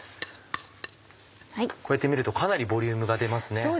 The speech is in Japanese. こうやってみるとかなりボリュームが出ますね。